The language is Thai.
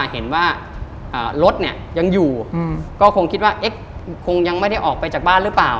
เห็นว่ารถเนี่ยยังอยู่ก็คงคิดว่าคงยังไม่ได้ออกไปจากบ้านหรือเปล่า